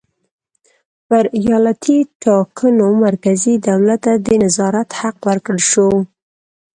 پر ایالتي ټاکنو مرکزي دولت ته د نظارت حق ورکړل شو.